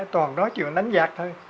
toàn nói chuyện đánh giặc thôi